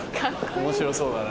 面白そうだな。